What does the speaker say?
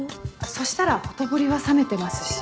そしたらほとぼりは冷めてますし。